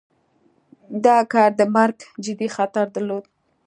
دا کار د مرګ جدي خطر درلود.